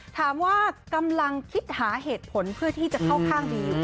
ถามว่ากำลังคิดหาเหตุผลเพื่อที่จะเข้าข้างดี